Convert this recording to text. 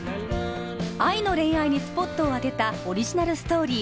愛の恋愛にスポットを当てたオリジナルストーリー